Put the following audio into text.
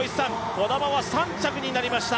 児玉は３着になりました。